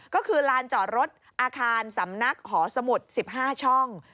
ก็คือลานจอดรถอาคารสำนักหอสมุทร๑๕ช่อง